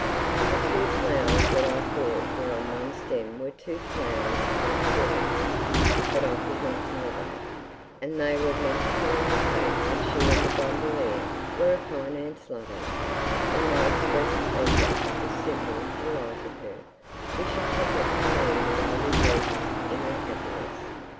For the two flowers that I thought were on one stem were two flowers tied together (but I could not tell that), and they were meant to indicate that she and the gondolier were affianced lovers, and my expressed pleasure at this symbol delighted her, for she took it to mean that I rejoiced in her happiness.